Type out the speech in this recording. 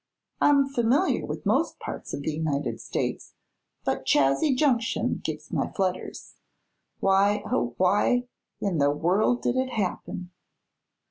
I'm familiar with most parts of the United States, but Chazy Junction gets my flutters. Why, oh, why in the world did it happen?"